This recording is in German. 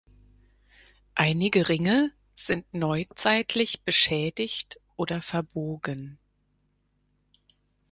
Einige Ringe sind neuzeitlich beschädigt oder verbogen.